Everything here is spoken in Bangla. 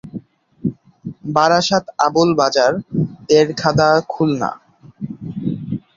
বারাসাত আবুল বাজার, তেরখাদা, খুলনা